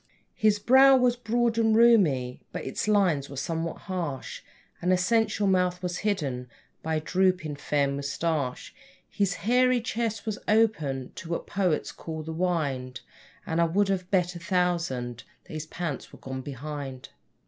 His brow was broad and roomy, but its lines were somewhat harsh, And a sensual mouth was hidden by a drooping, fair moustache; (His hairy chest was open to what poets call the 'wined', And I would have bet a thousand that his pants were gone behind).